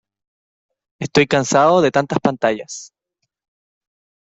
Estoy cansado de tantas pantallas.